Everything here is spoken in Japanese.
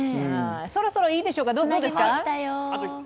そろそろ、いいでしょうか、どうですか？